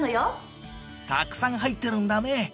たくさん入っているんだね。